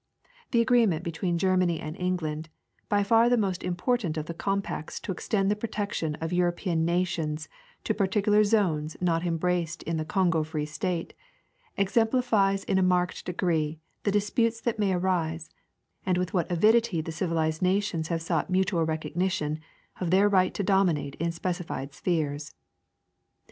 The agreement between Germany and England, by far the most imi3ortant of the compacts to extend the protection of European nations to particular zones not em braced in the Kongo Free State, exemplifies in a marked degree the disputes that may arise, and with what avidity the civilized nations have sought mutual recognition of their right to domi nate in specified spheres.